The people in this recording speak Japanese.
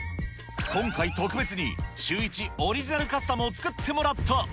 今回、特別にシューイチオリジナルカスタムを作ってもらった。